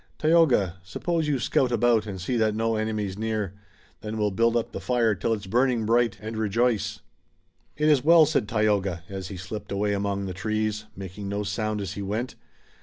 Tayoga, suppose you scout about and see that no enemy's near. Then we'll build up the fire, till it's burning bright, and rejoice." "It is well!" said Tayoga, as he slipped away among the trees, making no sound as he went.